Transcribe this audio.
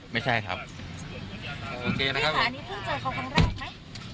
ไม่ใช่ครับโอเคนะพี่ค่ะอันนี้เพิ่งเจอเขาครั้งแรกไหม